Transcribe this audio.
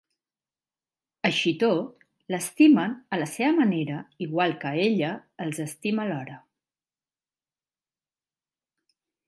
Així i tot, l'estimen a la seva manera igual que ella els estima alhora.